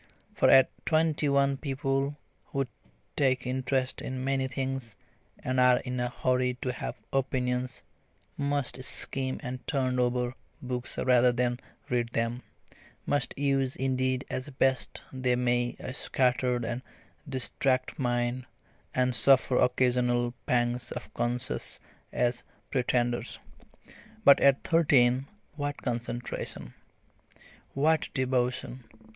For at twenty one people who take interest in many things, and are in a hurry to have opinions, must skim and "turn over" books rather than read them, must use indeed as best they may a scattered and distracted mind, and suffer occasional pangs of conscience as pretenders. But at thirteen what concentration! what devotion!